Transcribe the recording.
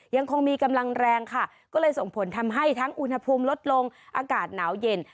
ยังคงมีกำลังแรงค่ะก็เลยส่งผลทำให้ทั้งอุณหภูมิลดลงอากาศหนาวเย็น